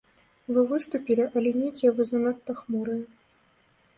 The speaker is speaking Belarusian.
Вы выступілі, але нейкія вы занадта пахмурныя.